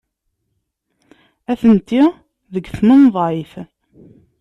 Atenti deg tmenḍayt.